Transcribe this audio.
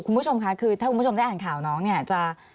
คุณผู้ชมค่ะคือถ้าคุณผู้ชมได้อ่านข่าวน้องเนี่ยจะ